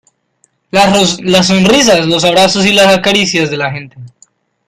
las sonrisas, los abrazos y las caricias de la gente